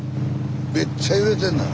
めっちゃ揺れてんのよ。